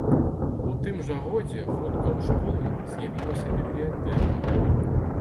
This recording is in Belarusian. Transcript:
У тым жа годзе хутка ў школы з'явілася бібліятэка.